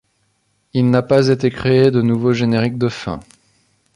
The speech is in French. Il n'a pas été créé de nouveau générique de fin.